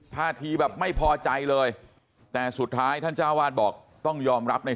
ท่าทีแบบไม่พอใจเลยแต่สุดท้ายท่านเจ้าวาดบอกต้องยอมรับใน